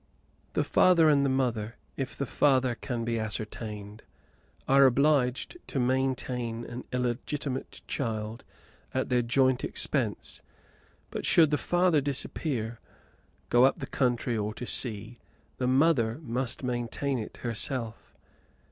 The father and mother, if the father can be ascertained, are obliged to maintain an illegitimate child at their joint expense; but, should the father disappear, go up the country or to sea, the mother must maintain it herself.